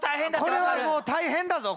これはもう大変だぞ